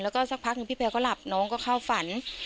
แล้วก็สักพักหนึ่งพี่แพลก็หลับน้องก็เข้าฝัน